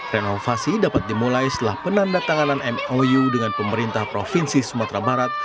renovasi dapat dimulai setelah penanda tanganan mou dengan pemerintah provinsi sumatera barat